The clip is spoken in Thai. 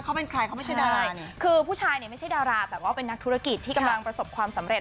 เขาเป็นใครเขาไม่ใช่ดาราคือผู้ชายเนี่ยไม่ใช่ดาราแต่ว่าเป็นนักธุรกิจที่กำลังประสบความสำเร็จ